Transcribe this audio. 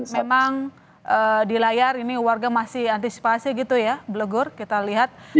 memang di layar ini warga masih antisipasi gitu ya blegur kita lihat